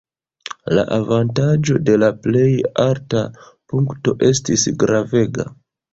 La avantaĝo de la plej alta punkto estis gravega.